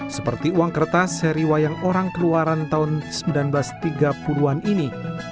seperti uang kertas seri wayang orang keluaran tahun seribu sembilan ratus tiga puluh an ini